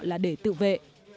là để tự vệ